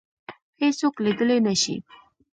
هیڅوک لیدلای نه شي